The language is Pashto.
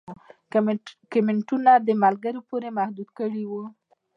کمنټونه د ملګرو پورې محدود کړي وو